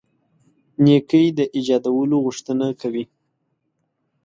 نېکۍ د ایجادولو غوښتنه کوي.